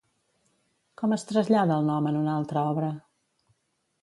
Com es trasllada el nom en una altra obra?